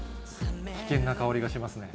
危険な香りがしますね。